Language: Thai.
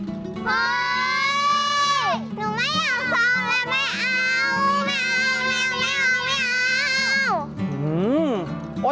เฮ้ยหนูไม่อยากซ้อมแล้วไม่เอาไม่เอาไม่เอาไม่เอา